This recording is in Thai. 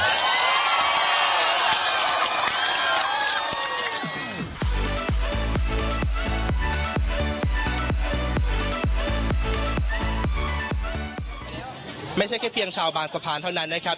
ไม่ใช่แค่เพียงชาวบางสะพานเท่านั้นนะครับ